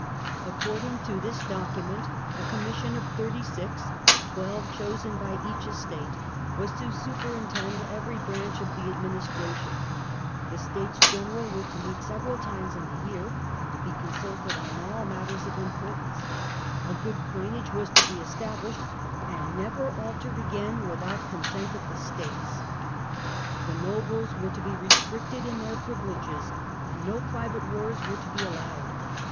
According to this document, a commission of thirty six, twelve chosen by each Estate, was to superintend ever}' branch of the administration ; the States General were to meet several times in the year and to be consulted on all matters of importance ; a good coinage was to be established, and never altered again without consent of the States ; the nobles were to be restricted in their privileges and do private wars were to be allowed.